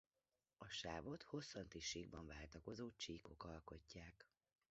A sávot hosszanti síkban váltakozó csíkok alkotják.